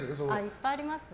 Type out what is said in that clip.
いっぱいあります。